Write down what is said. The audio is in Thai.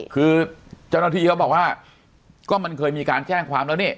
คือเจ้าหน้าที่เขาบอกว่าก็มันเคยมีการแจ้งความแล้วนี่